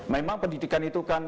memang pendidikan itu kan